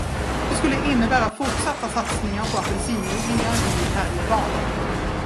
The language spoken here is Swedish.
Det skulle innebära fortsatta satsningar på apelsinodlingar i Härjedalen.